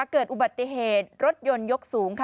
เกิดอุบัติเหตุรถยนต์ยกสูงค่ะ